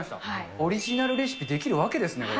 オリジナルレシピ出来るわけですね、これ。